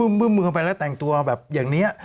เมื่อเข้าไปแล้วแต่งตัวแบบอย่างนี้